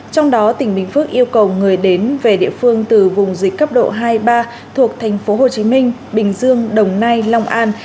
trong đó tỉnh bình phước yêu cầu người đến về địa phương từ vùng dịch cấp độ hai ba thuộc thành phố hồ chí minh bình dương đồng nai long an